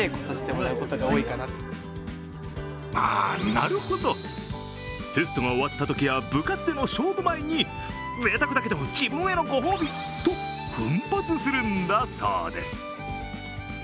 なるほど、テストが終わったときや部活での勝負前にぜいたくだけど自分へのご褒美と奮発するんだそうです。